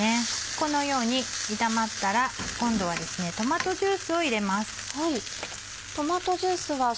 このように炒まったら今度はトマトジュースを入れます。